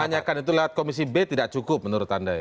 menanyakan itu lewat komisi b tidak cukup menurut anda ya